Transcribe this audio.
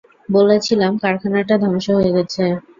বলেছিলাম, কারখানাটা ধ্বংস হয়ে গেছে!